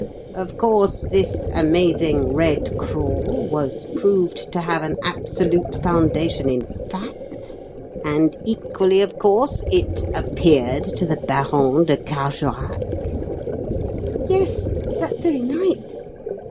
Of course, this amazing 'Red Crawl' was proved to have an absolute foundation in fact, and equally, of course, it 'appeared' to the Baron de Carjorac?" "Yes that very night.